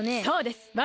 そうです！